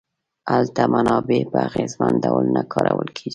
هلته منابع په اغېزمن ډول نه کارول کیږي.